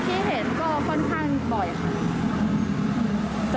ที่เห็นก็ค่อนข้างบ่อยค่ะ